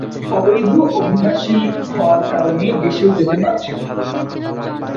অবৈধ অভিবাসী হওয়ার কারণে দেশেও যেতে পারছেন না ।